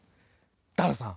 ダルさん！